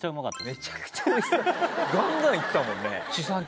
めちゃくちゃおいしそうガンガンいってたもんね。